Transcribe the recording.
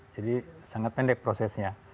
jadi sangat pendek prosesnya